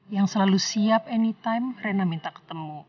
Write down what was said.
yang selalu siap anytime rena minta ketemu